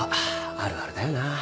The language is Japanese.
あるあるだよな。